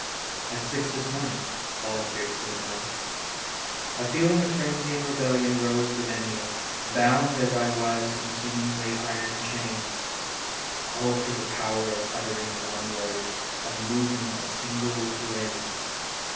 " At six this morning," volunteered Simoneau. A feeling of frenzy and rebellion rose within me, bound as I was in seemingly iron chains. Oh, for the power of uttering one word, of moving a single limb!